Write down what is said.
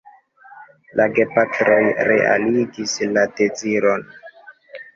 La gepatroj realigis la deziron.